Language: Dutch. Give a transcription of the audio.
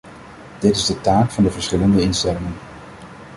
Dit is de taak van de verschillende instellingen.